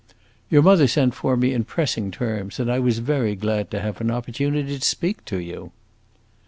"Your mother sent for me in pressing terms, and I was very glad to have an opportunity to speak to you."